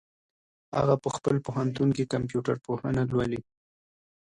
هغه په خپل پوهنتون کي کمپيوټر پوهنه لولي.